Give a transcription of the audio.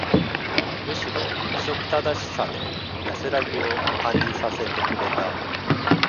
むしろ、規則正しさで、安らぎを、感じさせてくれた。